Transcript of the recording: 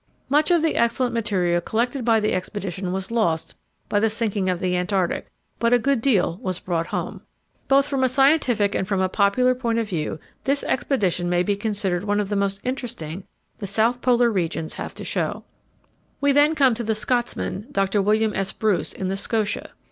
Much of the excellent material collected by the expedition was lost by the sinking of the Antarctic, but a good deal was brought home. Both from a scientific and from a popular point of view this expedition may be considered one of the most interesting the South Polar regions have to show. We then come to the Scotsman, Dr. William S. Bruce, in the Scotia.